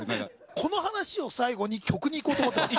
この話を最後に曲にいこうと思ってます。